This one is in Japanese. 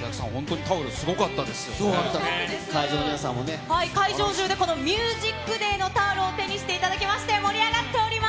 お客さん、本当にタオル、すごかったね、会場の皆さん会場中で、このＴＨＥＭＵＳＩＣＤＡＹのタオルを手にしていただきまして、盛り上がっております。